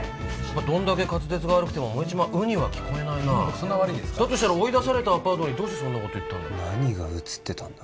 どんだけ滑舌が悪くても燃えちまうには聞こえないなあだとしたら追い出されたアパートにどうしてそんなこと言ったんだろ何が写ってたんだ？